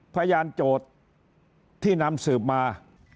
พยานโจทย์ที่นำสืบมา